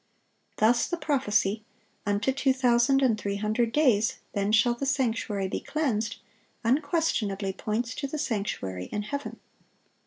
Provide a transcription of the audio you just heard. Thus the prophecy, "Unto two thousand and three hundred days; then shall the sanctuary be cleansed," unquestionably points to the sanctuary in heaven.